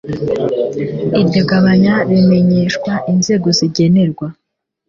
iryo gabanya rimenyeshwa inzego zigenerwa